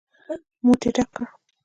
موټ يې ډک کړ.